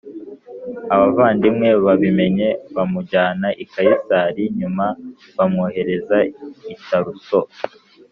Abavandimwe babimenye bamujyana i Kayisariya nyuma bamwohereza i Taruso